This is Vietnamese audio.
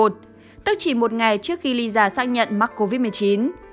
tức chỉ một ngày trước khi lysa xác nhận mắc covid một mươi chín